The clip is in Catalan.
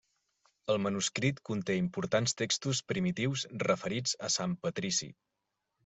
El manuscrit conté importants textos primitius referits a sant Patrici.